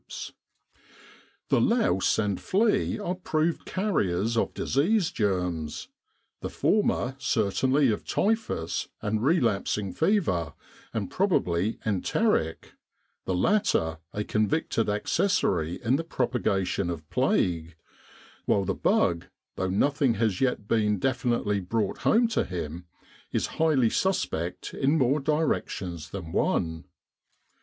168 Camp Sanitation The louse and flea are proved carriers of disease germs ; the former certainly of typhus and relapsing fever and probably enteric, the latter a convicted accessory in the propagation of plague; while the bug though nothing has yet been definitely brought home to him is highly suspect in more directions than one.